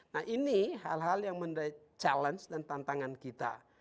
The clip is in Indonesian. nah ini hal hal yang menjadi challenge dan tantangan kita